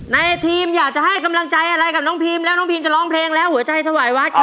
ในทีมอยากจะให้กำลังใจอะไรกับน้องพีมแล้วน้องพีมก็ร้องเพลงแล้วหัวใจถวายวัดครับ